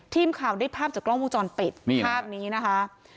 ทีมข่าวได้ภาพจากกล้องวงจรปิดนี่ภาพนี้นะคะ